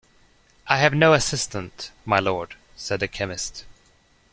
‘I have no assistant, my Lord,’ said the chemist.